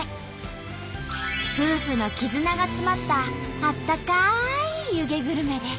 夫婦のきずなが詰まったあったかい湯気グルメです。